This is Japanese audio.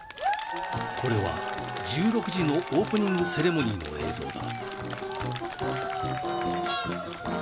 これは１６時のオープニングセレモニーの映像だ